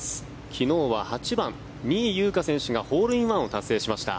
昨日は８番、仁井優花選手がホールインワンを達成しました。